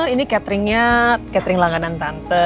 ini cateringnya catering langganan tante